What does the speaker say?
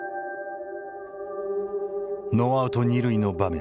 ノーアウト二塁の場面